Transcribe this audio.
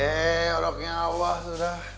hei orangnya abah sudah